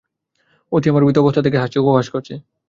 ওরা আমার ভীত অবস্থা দেখে হাসছে, উপহাস করছে।